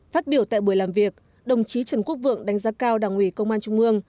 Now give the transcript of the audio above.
phát biểu tại buổi làm việc đồng chí trần quốc vượng đánh giá cao đảng ủy công an trung ương